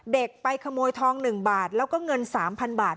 ไปขโมยทอง๑บาทแล้วก็เงิน๓๐๐บาท